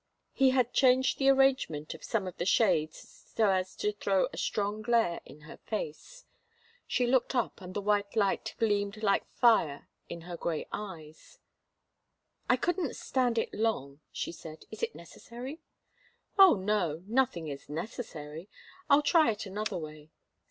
He had changed the arrangement of some of the shades so as to throw a strong glare in her face. She looked up and the white light gleamed like fire in her grey eyes. "I couldn't stand it long," she said. "Is it necessary?" "Oh, no. Nothing is necessary. I'll try it another way.